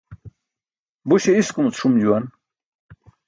Buśe iskumuc ṣum juwan.